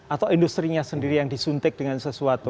atau industri nya sendiri yang disuntik dengan sesuatu